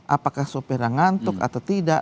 apakah sopirnya ngantuk atau tidak